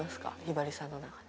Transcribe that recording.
ひばりさんの中で。